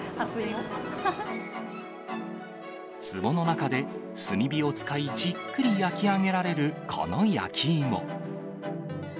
つぼの中で炭火を使い、じっくり焼き上げられるこの焼き芋。